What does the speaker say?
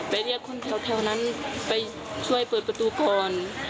เรียกคนแถวนั้นไปช่วยเปิดประตูก่อน